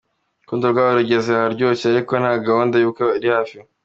Urukundo rwabo rugeze aharyoshye ariko nta gahunda y'ubukwe iri hafi.